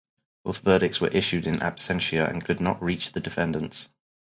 Both verdicts were issued in absentia and could not reach the defendants.